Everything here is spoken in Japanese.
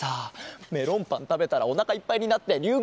メロンパンたべたらおなかいっぱいになってりゅう